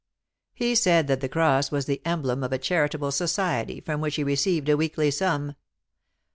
He said that the cross was the emblem of a charitable society from which he received a weekly sum.